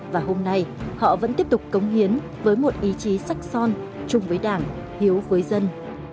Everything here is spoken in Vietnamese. và hôm nay họ vẫn tiếp tục cống hiến với một ý chí sắc son chung với đảng hiếu với dân